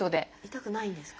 痛くないんですか？